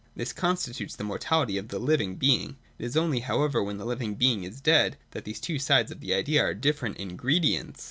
This constitutes the mortality of the living being; It is only, however, when the living being is dead, that these two sides of the idea are different ingredients.